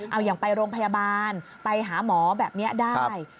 เอาอย่างไปโรงพยาบาลไปหาหมอแบบนี้ได้